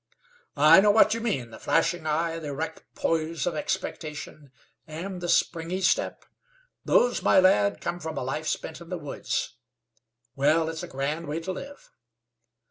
"I know what you mean. The flashing eye, the erect poise of expectation, and the springy step those, my lad, come from a life spent in the woods. Well, it's a grand way to live."